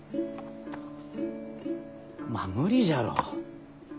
まあ無理じゃろ。